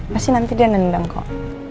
pasti nanti dia nendam kok